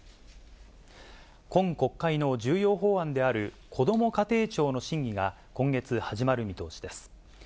今国会の重要法案であるこども家庭庁の審議が、今月、始まる見通しです。